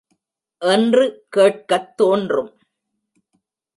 என்று கேட்கத் தோன்றும்.